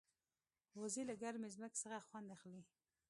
وزې له ګرمې ځمکې څخه خوند اخلي